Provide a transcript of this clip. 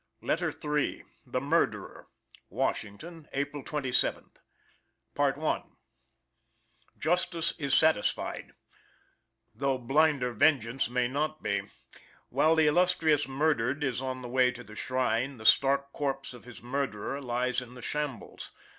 LETTER III. THE MURDERER. Washington, April 27th. Justice is satisfied, though blinder vengeance may not be. While the illustrious murdered is on the way to the shrine, the stark corpse of his murderer lies in the shambles.